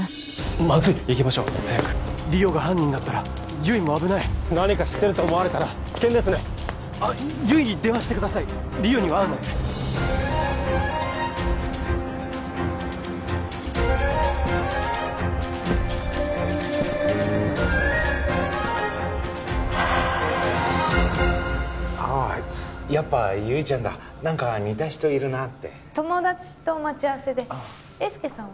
まずい行きましょう早く莉桜が犯人だったら悠依も危ない何か知ってると思われたら危険ですねあっ悠依に電話してください莉桜には会うなってああやっぱ悠依ちゃんだ何か似た人いるなって友達と待ち合わせでああ英介さんは？